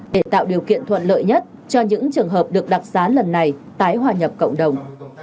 để tạo điều kiện thuận lợi nhất cho những trường hợp được đặc giá lần này tái hòa nhập cộng đồng